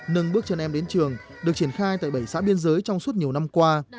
nâng bước chân em đến trường được triển khai tại bảy xã biên giới trong suốt nhiều năm qua